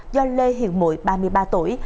do lê hiền mụi ba mươi ba tuổi